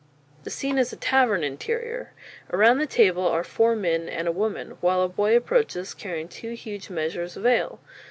_ The scene is a tavern interior. Around the table are four men and a woman, while a boy approaches carrying two huge measures of ale.